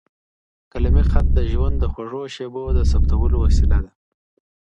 قلمي خط د ژوند د خوږو شیبو د ثبتولو وسیله ده.